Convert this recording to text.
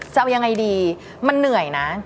จะเอายังไงดีมันเหนื่อยนะ